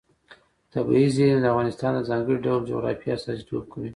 طبیعي زیرمې د افغانستان د ځانګړي ډول جغرافیه استازیتوب کوي.